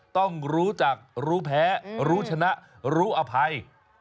ต้องรู้จักรู้แพ้รู้ชนะรู้อภัย